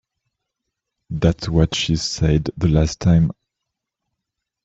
That's what she said the last time.